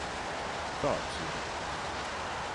Kādus ieročus?